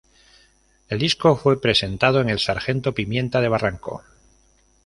El disco fue presentado en el Sargento Pimienta de Barranco.